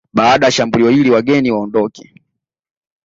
Baada ya shambulio hili wageni waondoke